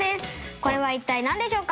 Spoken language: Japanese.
これは、一体なんでしょうか？